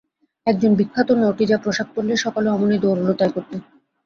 একজন বিখ্যাত নটী যা পোষাক পরলে, সকলে অমনি দৌড়ুল তাই করতে।